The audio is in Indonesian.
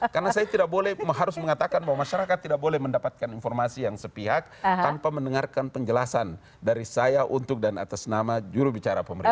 karena saya tidak boleh harus mengatakan bahwa masyarakat tidak boleh mendapatkan informasi yang sepihak tanpa mendengarkan penjelasan dari saya untuk dan atas nama jurubicara pemerintah